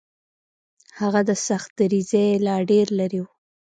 هغه د سختدریځۍ لا ډېر لرې و.